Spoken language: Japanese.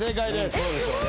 そうでしょうね。